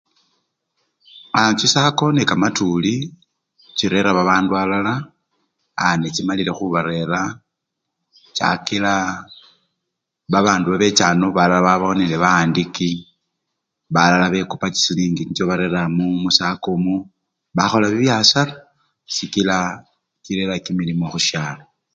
Aa! chisako nekamatuli chirera babandu alala aa! nechimalile khubarera, chakila babandu babecha ano balala babawo nebawandiki balala bekopa chisilingi nicho barera musakomwo bakhola bibyasara sikila chirera kimilimo khusyalo.